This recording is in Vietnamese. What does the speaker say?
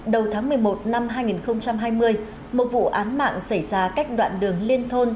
đầu tháng một mươi một năm hai nghìn hai mươi một vụ án mạng xảy ra cách đoạn đường liên thôn